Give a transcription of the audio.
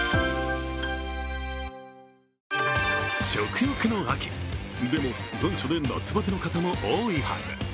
食欲の秋、でも残暑で夏バテの方も多いはず。